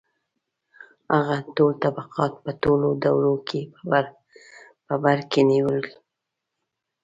• هغه ټول طبقات په ټولو دورو کې په بر کې نیول.